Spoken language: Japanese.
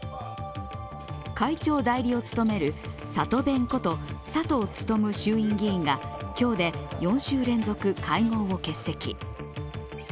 会長代理を勤めるサトベンこと佐藤勉衆院議員が今日で４週連続、会合を欠席。